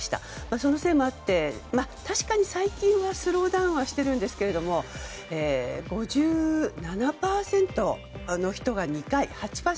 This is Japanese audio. そのこともあって確かに最近はスローダウンしているんですが５８％の人が２回。